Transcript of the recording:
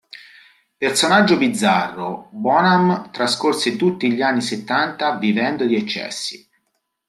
Personaggio bizzarro, Bonham trascorse tutti gli anni settanta vivendo di eccessi.